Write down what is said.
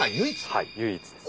はい唯一です。